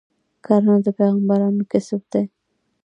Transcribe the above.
کرنه د پیغمبرانو کسب دی.